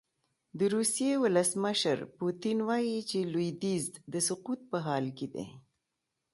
د روسیې ولسمشر پوتین وايي چې لویدیځ د سقوط په حال کې دی.